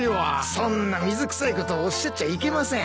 そんな水くさいことをおっしゃっちゃいけません。